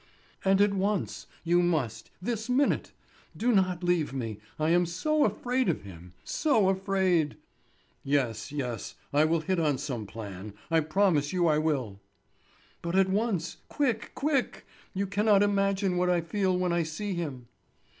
"And at once. You must, this minute. Do not leave me. I am so afraid of him—so afraid." "Yes, yes; I will hit on some plan. I promise you I will." "But at once; quick, quick! You cannot imagine what I feel when I see him."